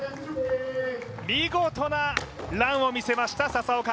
見事なランを見せました、笹岡。